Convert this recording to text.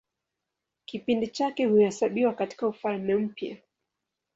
Kipindi chake huhesabiwa katIka Ufalme Mpya.